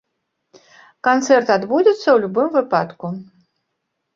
Канцэрт адбудзецца ў любым выпадку.